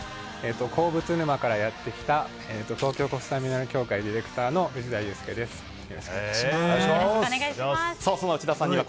鉱物沼からやってきた東京国際ミネラル協会ディレクターの内田佑介さんです。